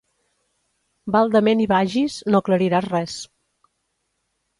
Baldament hi vagis, no aclariràs res.